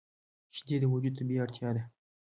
شیدې د وجود طبیعي اړتیا ده